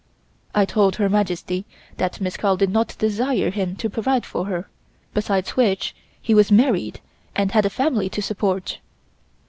I told Her Majesty that Miss Carl did not desire him to provide for her, besides which he was married and had a family to support.